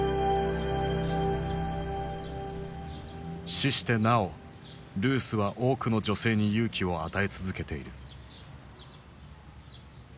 死してなおルースは多くの女性に勇気を与え続けている。